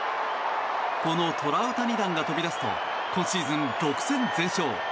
このトラウタニ弾が飛び出すと今シーズン６戦全勝。